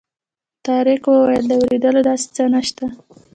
طارق وویل د وېرېدلو داسې څه نه شته.